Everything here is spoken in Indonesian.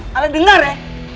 kalian dengar ya